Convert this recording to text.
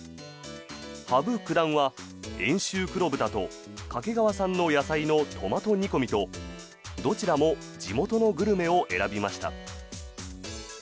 羽生九段は、遠州黒豚と掛川産の野菜のトマト煮込みとどちらも地元のグルメを選びました。